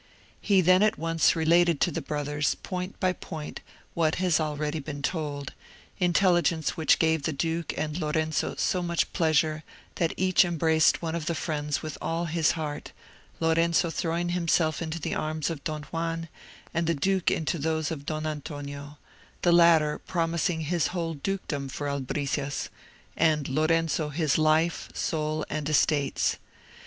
He then at once related to the brothers, point by point, what has been already told, intelligence which gave the duke and Lorenzo so much pleasure, that each embraced one of the friends with all his heart, Lorenzo throwing himself into the arms of Don Juan, and the duke into those of Don Antonio—the latter promising his whole dukedom for albricias, and Lorenzo his life, soul, and estates.